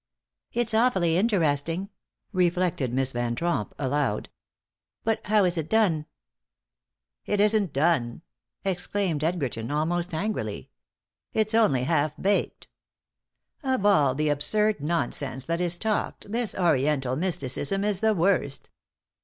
"It's awfully interesting," reflected Miss Van Tromp, aloud. "But how is it done?" "It isn't done!" exclaimed Edgerton, almost angrily, "it's only half baked. Of all the absurd nonsense that is talked this Oriental mysticism is the worst.